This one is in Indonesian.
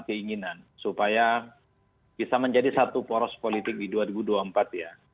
keinginan supaya bisa menjadi satu poros politik di dua ribu dua puluh empat ya